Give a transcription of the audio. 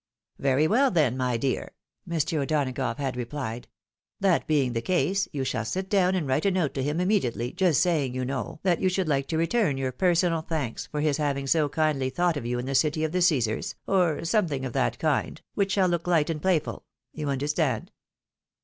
" Very weU, then, my dear," Mr. O'Donagough had replied, " that being tlie case, you shall sit down and write a note to him immediately, just saying, you know, that you should like to return your personal thanks for his having so kindly thought of you in the city of the Caesars, or something of that kind, which shall look light and playful ;^you understand